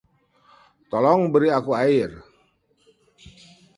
Tolong beri aku air.